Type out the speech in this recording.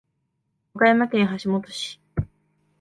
和歌山県橋本市